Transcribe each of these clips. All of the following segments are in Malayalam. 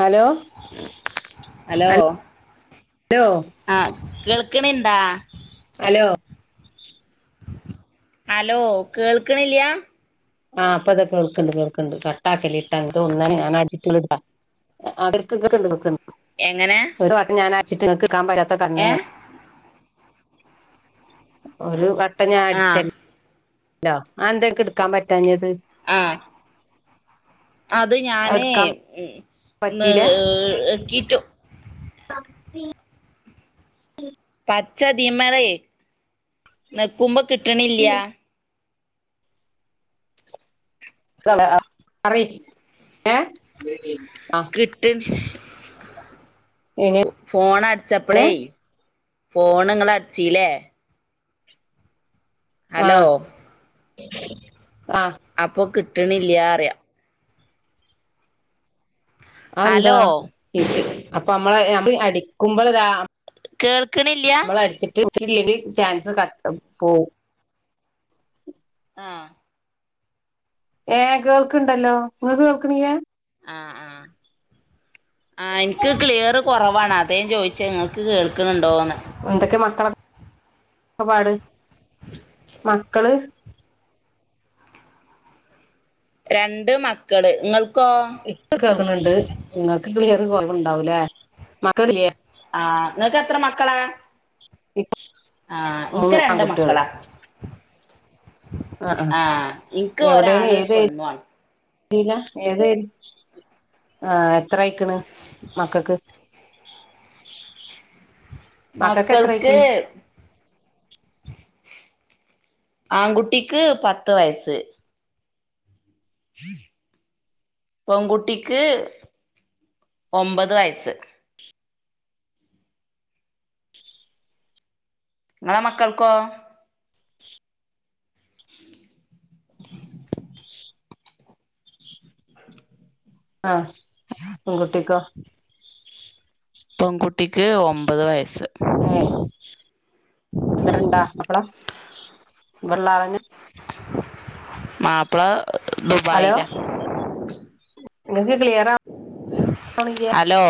ഹലോ ഹലോ ഹലോ ആഹ് കേൾക്കക്കിണിണ്ടാ ഹലോ ഹലോ കേൾക്കണില്ല്യാ ആഹ് അപ്പൊതെ കേൾക്കണ്ട് കേൾക്കണ്ട് കട്ടാക്കല്ലെ ഇട്ട് അന തോന്നെന്നെ ഞാൻ അട്ജെസ്റ് ചെയ്ത് താ ആക്കുന്നുണ്ട്ക്കുന്നുണ്ട്..... എങ്ങെനാ ഒരു വട്ടം ഞാൻ അരച്ചിട്ട് നിങ്ങൾക്ക് എടുക്കാൻ വരാത്ത തന്നെ ഒരു വട്ടം ഞാൻ ആഹ് അടിച്ചല്ലല്ലോ ആഹ് നിങ്ങൾക്ക് എന്താ എടുക്കാൻ പറ്റാഞ്ഞത് ആഹ് അത് ഞാനേ എടുക്കാൻ പറ്റീല കീറ്റും ആ..... അച്ച ടീമറ നിക്കുമ്പോ കിട്ടണില്ല്യാ [unintelligible] അറി ഏഹ് ആഹ് ടിൺ ഫോൺ അടിച്ചപ്പളേ എങ്ങനെ ഫോൺ നിങ്ങളെ അടിച്ചിലേ ഹലോ ആഹ് ആഹ് അപ്പൊ കിട്ടണില്ല്യാ അറിയാം അത് എന്താ ഹലോ ഇപ്പെ അപ്പൊ മമ്മളെ അത് അടിക്കുമ്പള ഇതാ കേൾക്കണില്ല്യ നമ്മള് അടിച്ചിട്ട് ഒത്തില്ലെങ്കിൽ ചാൻസ് കട്ട് പോവും ആഹ് ഏഹ് കേൾക്കണ്ടല്ലോ നിങ്ങൾക്ക് കേൾക്കണില്ല്യാ ആഹ് ആഹ് [unintelligible] ആഹ് എനിക്ക് ക്ലിയറ് കെറവാണ് അതെ ചോദിച്ചേ നിങ്ങൾക്ക് കേൾക്കണ് ഉണ്ടോ എന്ന് എന്തൊക്കെ മക്കളാ ഇപ്പം പാട് [unintelligible] മക്കള് രണ്ട് മക്കള് നിങ്ങൾക്കോ ഇപ്പൊ കേൾക്കണണ്ട് നിങ്ങക്ക് ക്ലിയർ കുറവുണ്ടാവൂലേ മക്കളില്ലേ ആഹ് നിനക്ക് എത്ര മക്കളാ ഇ ആഹ് എനിക്ക് മൂന്ന് രണ്ട് ആൺകുട്ടികള് മക്കളാ ആഹ് ആഹ് എനിക്ക് എവിടൊണ് ഒരാണും ഒരു ഏത് പെണ്ണു ആണ് ഏരിയ ഏത് എരി ആഹ് എത്ര ആയിക്കണ് മക്കൾക്ക് എത്ര മക്കൾക്ക് ആയിക്കണ് ആൺകുട്ടിക്ക് പത്ത് വയസ്സ് പെൺകുട്ടിക്ക് ഒമ്പത് വയസ്സ് നിങ്ങളെ മക്കൾക്കോ [unintelligible] ആഹ് പെൺകുട്ടിക്കോ പെൺകുട്ടിക്ക് ഒമ്പത് വയസ്സ് ഏ ഇവിടെ ഉണ്ട മാപ്പള ഇവിടെ ഉള്ള ആൾനെ മാപ്പിള ദുബായില ഇങ്ങൾ ക് കിയർ ആകുന്നില്യ ഹലോ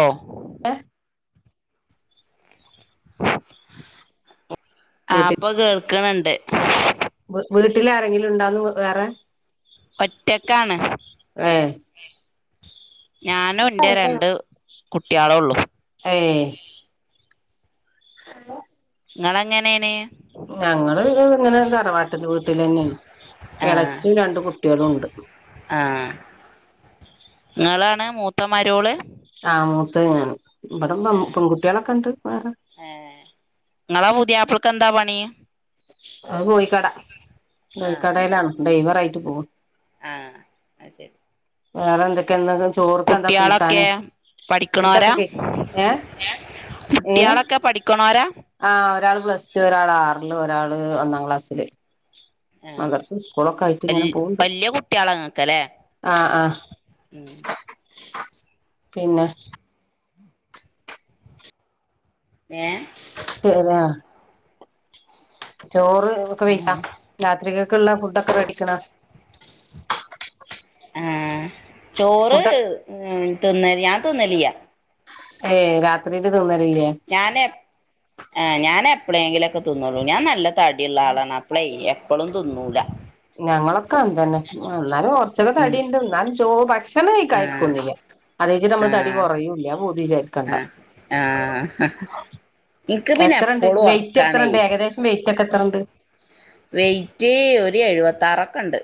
വീട്ടിൽ ആപ്പൊ കേൾക്കണണ്ട് വീട്ടിൽ ആരെങ്കിലും ഉണ്ടാ വേറെ ഒറ്റക്കാണ് ഏഹ് ഞാനും എന്റെ രണ്ട് കുട്ടികളേ ഉള്ളു ഏഹ് [unintelligible] ഇങ്ങള് എങ്ങനെ ആണ് ഞങ്ങള് ഇത് ഇങ്ങനെ തറവാട്ടിന്റെ വീട്ടിൽന്നെയാണ് ആഹ് ഇളച്ചി രണ്ട് കുട്ടികളുംണ്ട് ആഹ് ഇങ്ങളാണ് മൂത്തമാരോള് ആ മൂത്താണ് ഇവിടെ ആഹ് പെൺകുട്ടികളൊക്കെ ഉണ്ട് വേറെ ഏഹ് നിങ്ങളാ പുതിയ പിള്ളക് എന്താ പണി അത് കോഴിക്കട ആഹ് കോഴിക്കടയിലാണ് ഡ്രൈവറ ആയിട്ട് പോവും ആഹ് ആ ശരി വേറെ എന്തൊക്കെ എന്ത ചോറക്കെ എന്താ കൂട്ടാന് കുട്ടികളൊക്കെ പഠിക്കണോരാ ഫുഡൊക്കെ കഴ ഏഹ് കുട്ടിയളൊക്കെ പഠിക്കണോരാ ആ ഒരാള് പ്ലസ് ടു ഒരാൾ ആറില് ഒരാള് ഒന്നാം ക്ലാസ്സില് ആ ആഹ് മദ്രസ് സ്കൂളൊക്കെ ആയിട്ട് വല് ഇങ്ങനെ പോവണ്ട് വല്യ കുട്ടികളാ നിങ്ങക്കല്ലേ ആ ആ ഉം പിന്നെ ഏഹ് പിന്നെ ചോറ് ഒക്കെ ആഹ് വെയറ്റാ രാത്രികൊക്കള്ള ഫുഡ ഒക്കെ വേടിക്കണ ആഹ് ചോറ് ഫുഡ് തിന്ന ഞാൻ തിന്നലിയ ഏയ് രാത്രിയില് തിന്നലില്ലേ ഞാന് ആ ഞാൻ എപ്പളെങ്കിലൊക്കെ തിന്നള്ളൂ ഞാൻ നല്ല തടിള്ള ആളാണ് അപ്പളേ എപ്പളും തിന്നൂല ഞങ്ങളൊക്കെ അന്തന്നെ എന്നാലും കൊറച്ചൊക്കെ ഉം തടിണ്ട് എന്നാലും ചോറ് കക്ഷക്ക ആഹ് ആരിക്കൊന്നില്ല അത്ച് നമ്മള് തടി ആഹ് കുറയൂല്ല പൂതിച്ചാരിക്കണ്ട ആഹ് ആഹ് ഇൻക്ക് പിന്നെ എത്രുണ്ട് എപ്പളും വെറ്റ് ഒറക്കാണേ എത്രുണ്ട് ഏകദേശം വെറ്റ് ഒക്കെ എത്രുണ്ട് വെയിറ്റ് ഒരു എഴുപത്താറൊക്കെ ഇണ്ട്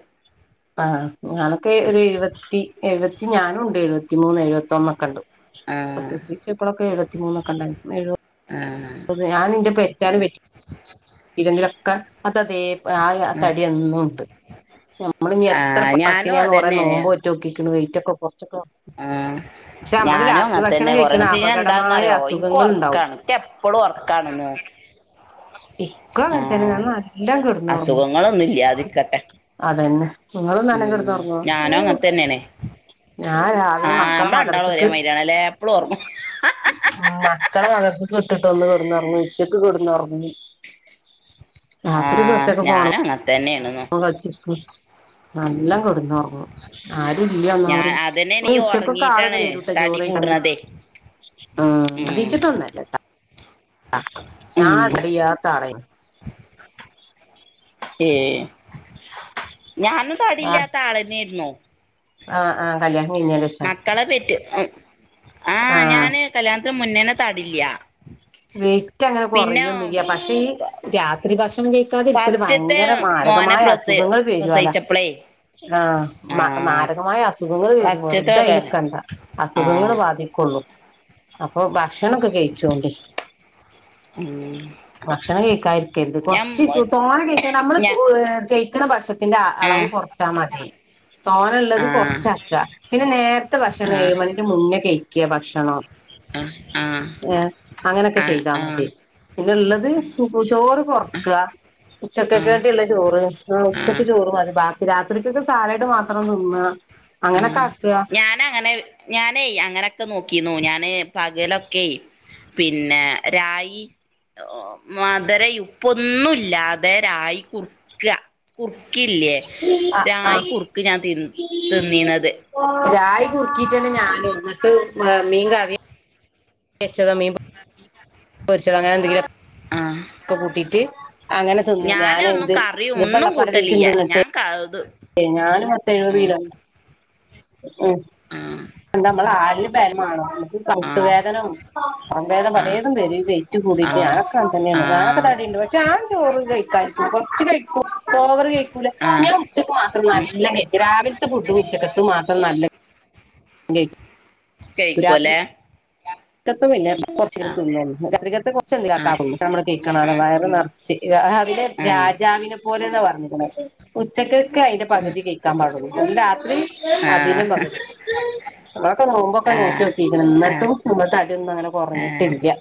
ആഹ് ഞാനൊക്കെ ഒരു എഴുപത്തി എഴുപത്തി ഞാനുംണ്ട് എഴുപത്തിമൂന്ന് എഴുപത്തിൊന്നൊക്കെ ഉണ്ട് അ ആഹ് ഇപ്പോഴൊക്കെ എഴുപത്തിമൂന്നൊക്കെണ്ടായിരുന്നു എഴുപ ആഹ് അ ഞാാനിന്റെ പറ്റാനും പറ്റിങ്കിലൊക്കെ അതതെ ആ ആഹ് തടിയെന്നും ഉണ്ട് നമ്മള് ഇനി എത്ര ആഹ് ഞാനും പട്ടണിയാന്ന് കുറേ അതന്നെയാണ് നോമ്പോറ്റ നോക്കിക്ക വെയിറ്റ് ഒക്കെ കൊറച്ചൊക്കെ ഉം പക്ഷെ നമ്മള് ഞാനും രാത്രി ഭക്ഷണം അങ്ങത്തന്നെ കൊറ കഴിക്കണ പിന്നെ അപകടമായ എന്താന്ന്റിയോ ഈ അസുഖങ്ങൾ ഉണ്ടാവും കൊറക്കാണ് എപ്പഴും ഉറക്കാണ് ഇക്കും അങ്ങനത്തന്നെ ഞാൻ നല്ലാം കിടന്നു ഉറങ്ങും അസുഖങ്ങളൊന്നും ഇല്ലാതിരിക്കട്ടെ അതന്നെ നിങ്ങളും നനങ്കെ ഉം ഞാനും കെടന്നോറങ്ങുവോ അങ്ങനത്തന്നെയാണേ ഞാൻ രാവിലെ ആഹ് മക്കളെ നമ്മള് രണ്ടാളും ഒരേ മദർസക്ക് മാതിരിയാണല്ലേ എപ്പളും ഒറങ്ങും ഉം മക്കളെ മധസർക്ക് കിട്ടിട്ടൊന്ന് കിടന്ന് ഒറങ്ങും ഉച്ചക്ക് കിടന്നോറങ്ങും ആ ഞാനും അങ്ങത്തെന്നെയാണ് ഫോണിമേ കൾചിരിക്കും നല്ല കൊടുന്നോറങ്ങും ആരുല്ല [unintelligible] ഉച്ചക്കൊക്കെ ആളരു താടി കൂടനത്തെ ഉം ശതിിച്ചിട്ടൊന്നല്ല ഉം [unintelligible] ഏഹ് ഞാനും തടില്ലാത്ത ആളന്നെർന്നോ ആഹ് ആഹ് കല്യാണം കഴിഞ്ഞേന്റെഷാ മക്കളെ പറ്റി ആഹ് ഞാന് കല്യാണത്തിന് മുന്നേനെ തടില്ല വെയ്റ്റ് അങ്ങനെ പിന്നെ കൊറയൊന്നില്ല പക്ഷെ ഈ രാത്രി ഭക്ഷണം കയ് കഴിക്കാതിരിക്കൽ ഫസ്റ്റ്ത്തെ ഭയങ്കര മോനെ മാരകമായ പ്രസവി അസുഖങ്ങൾ വരുവല്ല പ്രസവിച്ചപ്പളേ ആഹ് ആഹ് മാരകമായ അസുഖങ്ങൾ വരും ഫസ്റ്റ്ത്തെ വെറുതെ അയ്ന് കണ്ട അസുഖങ്ങൾ ആഹ് ബാധിക്കൊള്ളു അപ്പൊ ഭക്ഷണംക്കെ കഴിച്ചോണ്ടി ഉം ഭക്ഷണം കേയ്ക്കാതിരിക്കരുത് ഞാൻ കൊറച്ച് തോണ കേൾക്ക നമ്മള് ഞ [unintelligible] ഇണ ഭക്ഷത്തിന്റെ അളവ് ആഹ് കുറച്ചാ മതി തോന ഉള്ളത് ആഹ് കൊറച്ചാ പിന്നെ നേരത്തെ ഭക്ഷണം ആഹ് ഏഴ് മണിക്ക് മുന്നേ കഴിക്ക ഭക്ഷണം ആഹ് ആഹ് ഏഹ് അങ്ങനൊക്കെ ചെയ്താ മതി ആഹ് പിന്നെ ഉള്ളത് ചോറ് കൊറക്ക ആഹ് ഉച്ചക്കൊക്കെള്ള ചോറ് ആഹ് ഉച്ചക്ക് ചോറ് മതി ബാക്കി രാത്രിക്കൊക്കെ സാലഡ് മാത്രം തിന്ന അങ്ങനൊക്കെ ആഹ് ആക്കുക ഞാനങ്ങനെ ഞാനേയ് അങ്ങനൊക്കെ നോക്കിന്നു ഞാന് പകലൊക്കെയ് പിന്നെ രായി മധര ഇപ്പൊന്നുല്ലാതെ രായി കുർക്ക കുറുക്കില്ലേ ആഹ് രായി ആഹ് കുറുക്ക് ഞാൻ തി തിന്നീണത് രായ് കുറക്കീട്ടന്നെ ഞാനും ന്നട്ട് മീൻ കറി [unintelligible] [unintelligible] പരിച്ച അങ്ങനെന്തെിലും ആഹ് ക്കെ കൂട്ടീട്ട് അങ്ങനെ തിന്നി ഞാന് ഞാനൻ എന്ത് ഇ വെള്ള പല വെയട്ടുണ്ടന്നിട്ട് കയ്ത് ഏയ് ഞാല് മത്ത എഴുപത് കിലോ ഉം ആഹ് എന്താ നമ്മൾ ആടിന് പരമാണോ നമക്ക് ആഹ് കട്ടുവേദനം സംവേദം ആഹ് പലേതും പരും വൈറ്റ് കൂടിയിട്ട് ആഹ് ഞാനൊക്കെ അൻ തന്നെയാണ് ഞനോക്കെ ആഹ് തടിണ്ട് പക്ഷെ ആൻ ചോറ് കഴിക്കാ കൊറച്ച് കഴിക്കും വർ കഴിക്കൂല ആഹ് ഞാൻ ഉച്ചക്ക് മാത്രം ഉം നല്ല കഴിക്കും രാവിലത്തെ പുട്ടും ഉച്ചക്കത്തും മാത്രം നല്ല [unintelligible] രാത്രി കേക്കല്ലേ [unintelligible] നമ്മള് ആഹ് കേക്കണഅല്ലോ ആഹ് വയറ് നിറച്ച് രാവിലേ ആഹ് രാജാവിനെ പോലെന്നാ പറഞ്ഞിക്കണ ഉച്ചക്കക്കെ അയ്ന്റെ പകുതി കഴിക്കാൻ പാടുള്ള അ രാത്രി അതിനും ആഹ് പകുതി നൊക്കെ നോമ്പൊക്കെ ആഹ് നോറ്റൊക്കിക്കണ് ആഹ് ന്നട്ടും ന തടിയൊന്നും അങ്ങനെ ആഹ് കുറഞ്ഞിട്ടില്ല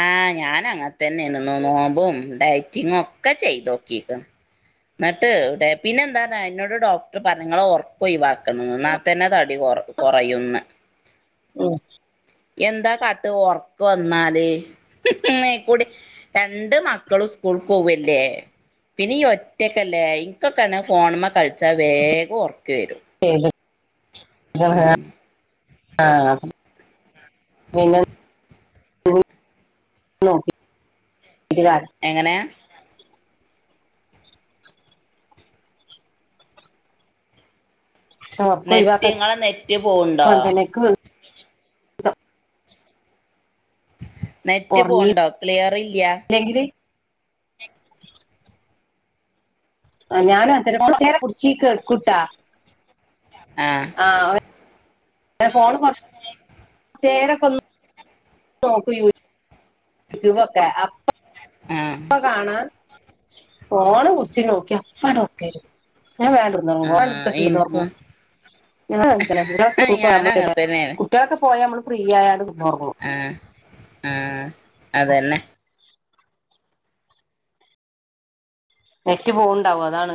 ആഹ് ഞാൻ അങ്ങനത്തന്നെണ് ഇ നോമ്പും ഡയറ്റിങ്ങും ഒക്കെ ചെയ്ത നോക്കിക്കണ് നട്ട് ഇവിടെ പിന്നെ എന്താ എന്നോട് ഡോക്ടർ പറഞ്ഞങ്ങളെ ഒറക്കോയ്വാക്കരുത് ന്നാത്തന്നെ തടി കൊറയന്ന് ഉം എന്താ കാട്ട ഒർക്ക് വന്നാല് ക്കൂടി രണ്ട് മക്കളും സ്കൂൾ പോവല്ലേ പിന്നെ ഈ ഒറ്റക്കല്ലേ ഇനിക്കൊക്കെയാണ് ഫോണമ്മ കളിച്ചാൽ വേഗം ഒറക്ക വരും ചെയത് ഉം ആഹ് [unintelligible] [unintelligible] എങ്ങനാ പക്ഷെ ഉറക്കം നെറ്റ് ഒഴിവാക്കാൻ ഇങ്ങളെ നെറ്റ് ഇൻക്കും പോവ്ണ്ടോ അങ്ങൻതന്നെ ഇൻക്ക് നെറ്റ് പോണ്ടോ ക്ലിയർ ഇല്ല എങ്കിൽ ഞാൻ [unintelligible] കുറചേരം പുടിച് എടുക്കട്ടാ ആഹ് ആഹ് ഫോൺ കുറച്ച് ചേരൊക്കൊന്ന് നോക്കും യൂട്യൂബ് ഒക്കെ ആഹ് അപ്പ കാണാ ഫോണ് പുടിച് നോക്ക്യാ അപ്പണ്ട് ഉറക്ക് വെരും പിന്നെ വേംണ്ട് ആഹ് ഇൻക്കും ഞാനും [unintelligible] അങ്ങൻതന്നേണ് കുട്ട്യാളൊക്കെ പോയ നമ്മള് ഫ്രീ ആയ അണ്ട് കെടന്നൊറങ്ങും ആഹ് ആഹ് അതന്നെ നെറ്റ് പോവ്ണ്ടാവും അതാണ്